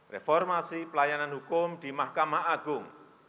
reformasi pelayanan hukum di mahkamah agung